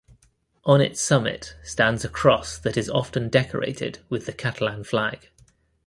On its summit stands a cross that is often decorated with the Catalan flag.